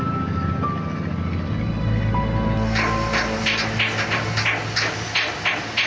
memberikan info info masalah keselamatan